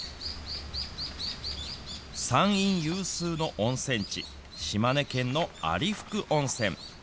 山陰有数の温泉地、島根県の有福温泉。